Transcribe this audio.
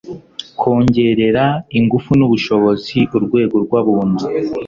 kongerera ingufu n'ubushobozi urwego rw' abunzi